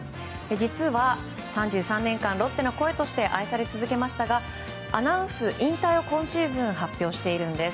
実は３３年間、ロッテの声として愛され続けましたがアナウンス引退を今シーズン発表しているんです。